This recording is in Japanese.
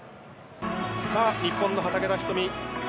さあ、日本の畠田瞳。